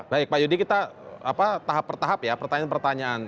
baik pak yudi kita tahap per tahap ya pertanyaan pertanyaan